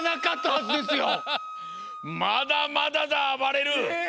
まだまだだあばれる！え！